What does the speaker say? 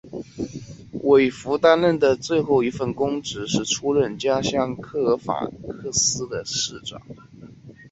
韦弗担任的最后一份公职是出任家乡科尔法克斯的市长。